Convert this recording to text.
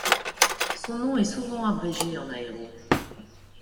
Son nom est souvent abrégé en Aero.